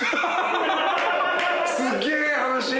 すげぇ話。